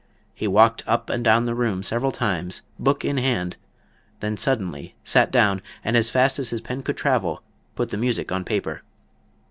He walked up and down the room several times, book in hand, then suddenly sat down and as fast as his pen could travel put the music on paper.